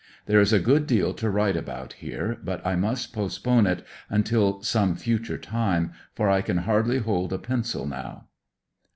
There is a good deal to write about here, but I must postpone it until some future time, for I can hardly hold a pencil now.